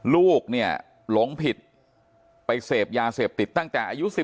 ลูกเนี่ยหลงผิดไปเสพยาเสพติดตั้งแต่อายุ๑๗